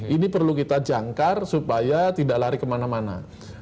ini perlu kita jangkar supaya tidak lari kemana mana